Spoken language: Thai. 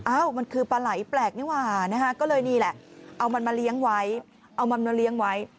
อ้าวมันคือปลาไหล่แปลกนี่ว่าก็เลยนี่แหละเอามันมาเลี้ยงไว้